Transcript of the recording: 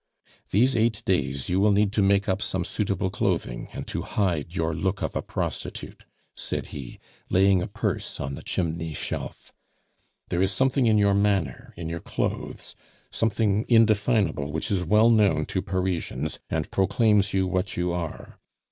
These eight days you will need to make up some suitable clothing and to hide your look of a prostitute," said he, laying a purse on the chimney shelf. "There is something in your manner, in your clothes something indefinable which is well known to Parisians, and proclaims you what you are.